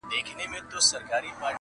اخترونه به تیریږي یو په بل پسي به راسي-